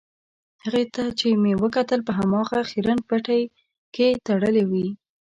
هغې ته چې مې وکتل په هماغه خیرن پټۍ کې تړلې وې.